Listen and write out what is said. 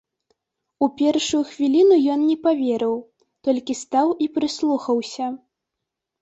У першую хвіліну ён не паверыў, толькі стаў і прыслухаўся.